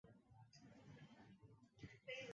公园范围包括北潭凹至榕树澳一带。